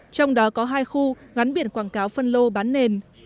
trong đó có hai khu gắn biển quảng cáo phân lô bán nền